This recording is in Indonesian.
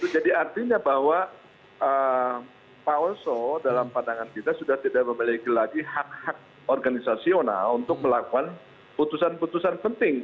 jadi artinya bahwa pak oso dalam pandangan kita sudah tidak memiliki lagi hak hak organisasional untuk melakukan putusan putusan penting